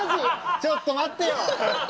ちょっと待ってよ！